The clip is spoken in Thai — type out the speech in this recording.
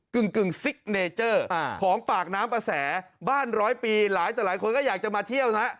ึ่งซิกเนเจอร์ของปากน้ำประแสบ้านร้อยปีหลายต่อหลายคนก็อยากจะมาเที่ยวนะฮะ